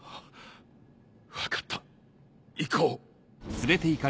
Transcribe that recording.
分かった行こう。